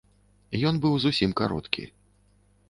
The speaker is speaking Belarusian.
Ён быў зусім кароткі.